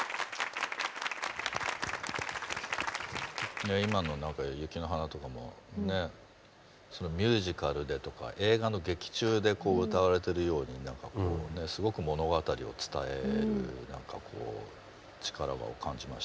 いや今のなんか「雪の華」とかもねミュージカルでとか映画の劇中でこう歌われてるようになんかこうねすごく物語を伝えるなんかこう力を感じましたよね。